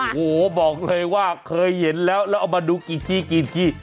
โอ้โหบอกเลยว่าเคยเห็นแล้วแล้วเอามาดูกี่ที่กี่ที่